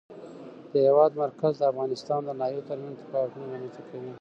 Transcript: د هېواد مرکز د افغانستان د ناحیو ترمنځ تفاوتونه رامنځ ته کوي.